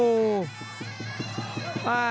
เสริมหักทิ้งลงไปครับรอบเย็นมากครับ